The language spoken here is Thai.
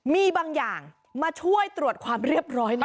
มีบางอย่างมาช่วยตรวจความเรียบร้อยหน่อย